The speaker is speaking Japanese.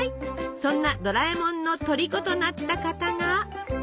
そんなドラえもんのとりことなった方が。